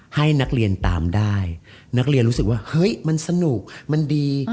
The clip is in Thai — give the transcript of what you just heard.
ให้นักเรียนตามได้นักเรียนรู้สึกว่าเฮ้ยมันสนุกมันดี